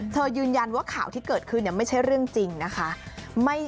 ยืนยันว่าข่าวที่เกิดขึ้นไม่ใช่เรื่องจริงนะคะ